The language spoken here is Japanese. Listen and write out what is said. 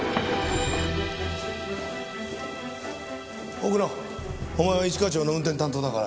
奥野お前は一課長の運転担当だから。